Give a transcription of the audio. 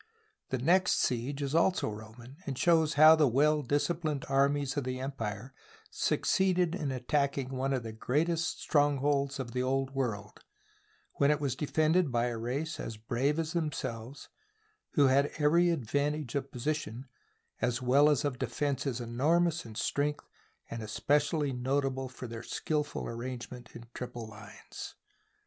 The next siege is also Roman, and shows how the well disciplined armies of the empire suc ceeded in attacking one of the greatest strongholds of the Old World, when it was defended by a race as brave as themselves who had every advantage of THE BOOK OF FAMOUS SIEGES position as well as of defences enormous in strength and especially notable for their skilful arrangement in triple lines.